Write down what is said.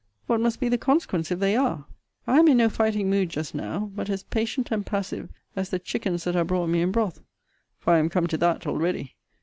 What must be the consequence if they are? I am in no fighting mood just now: but as patient and passive as the chickens that are brought me in broth for I am come to that already.